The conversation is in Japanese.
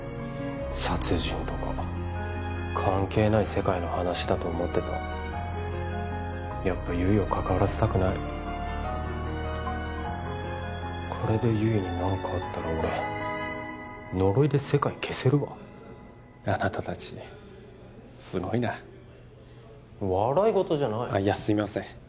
殺人とか関係ない世界の話だと思ってたやっぱ悠依を関わらせたくないこれで悠依に何かあったら俺呪いで世界消せるわあなたたちすごいな笑いごとじゃないあっいやすいません